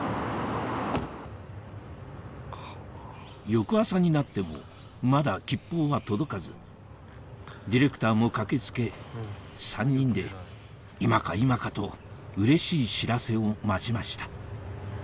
翌朝になってもまだ吉報は届かずディレクターも駆け付け３人で今か今かとうれしい知らせを待ちました